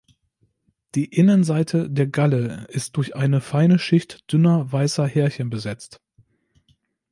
Die Innenseite der Galle ist durch eine feine Schicht dünner weißer Härchen besetzt.